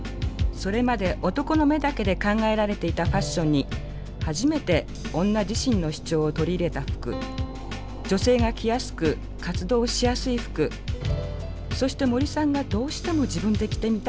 それまで男の目だけで考えられていたファッションに初めて女自身の主張を取り入れた服女性が着やすく活動しやすい服そして森さんがどうしても自分で着てみたいと思った服。